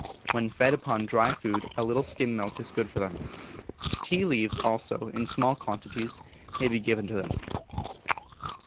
When fed upon dry food a little skim milk is good for them. Tea leaves also, in small quantities, may be given to them.